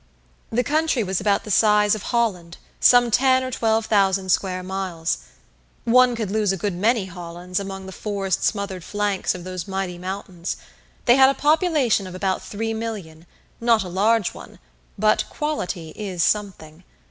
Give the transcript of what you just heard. The country was about the size of Holland, some ten or twelve thousand square miles. One could lose a good many Hollands along the forest smothered flanks of those mighty mountains. They had a population of about three million not a large one, but quality is something.